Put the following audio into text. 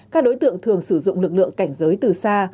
các đối tượng thường sử dụng lực lượng cảnh giới từ xa